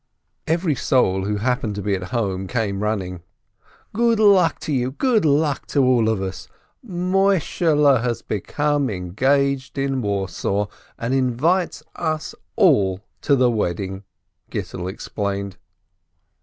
Every soul who happened to be at home came running. "Good luck to you ! Good luck to us all ! Moi shehle has become engaged in Warsaw, and invites us all to the wedding," Gittel explained.